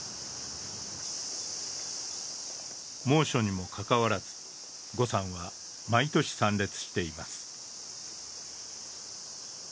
猛暑にもかかわらず呉さんは毎年参列しています。